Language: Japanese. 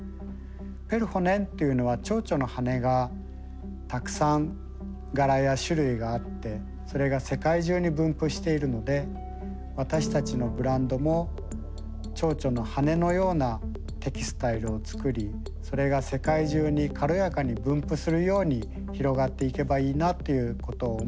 「ペルホネン」というのは蝶々の羽がたくさん柄や種類があってそれが世界中に分布しているので私たちのブランドも蝶々の羽のようなテキスタイルを作りそれが世界中に軽やかに分布するように広がっていけばいいなということを思い